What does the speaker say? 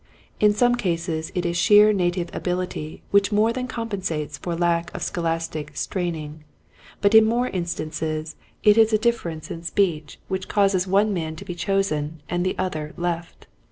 In some cases it is sheer native ability which more than compensates for lack of scholastic straining, but in more instances it is a difference in speech which *' Thy Speech Bewray eth Thee.'' 175 causes one man to be chosen and the other left.